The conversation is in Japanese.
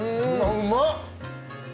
うまっ！